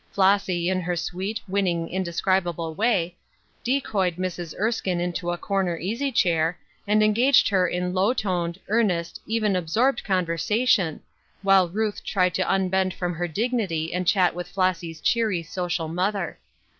Flossy, in her sweet, winning, indescribable way, de coyed Mrs. Erskine into a corner easy chair, and engaged her in low toned, earnest, even absorbed conversation, while Ruth tried to un bend from her dignity and chat with Flossy's cheery, social mother.